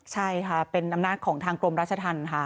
ใช่ค่ะเป็นอำนาจของทางกรมราชธรรมค่ะ